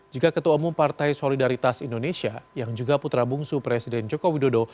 jika ketua umum partai solidaritas indonesia yang juga putra bungsu presiden joko widodo